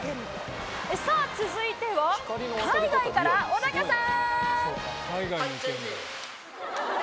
さぁ続いては海外から小さん！